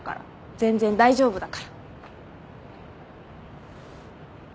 全然大丈夫だから。